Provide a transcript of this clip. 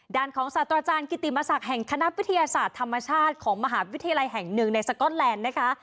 ด้านของศาสตราจารย์กิติมศักดิ์แห่งคณะวิทยาศาสตร์ธรรมชาติของมหาวิทยาลัยแห่งหนึ่งในสก๊อตแลนด์นะคะ